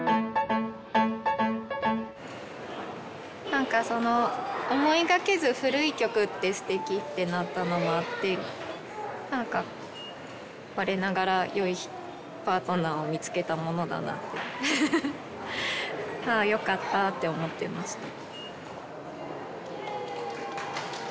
何か思いがけず古い曲ってすてきってなったのもあって何か我ながらよいパートナーを見つけたものだなってああよかったって思ってました。